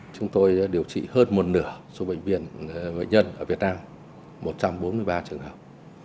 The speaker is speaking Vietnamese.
chúng tôi điều trị hơn một nửa số bệnh viện bệnh nhân ở việt nam một trăm bốn mươi ba trường hợp